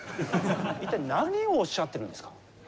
一体何をおっしゃってるんですか？